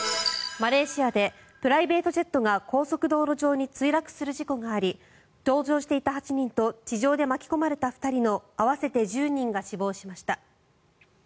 マレーシアでプライベートジェットが高速道路上に墜落する事故があり搭乗していた８人と地上で巻き込まれた２人の合わせて１０人が死亡しました。